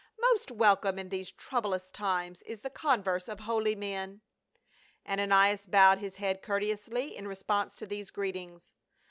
Most wel come in these troublous times is the converse of holy men." Ananias bowed his head courteously in response to these greetings.